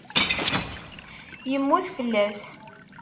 Yemmut fell-as.